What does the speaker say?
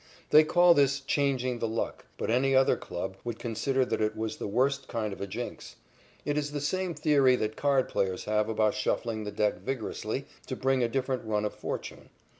They call this changing the luck, but any other club would consider that it was the worst kind of a jinx. It is the same theory that card players have about shuffling the deck vigorously to bring a different run of fortune.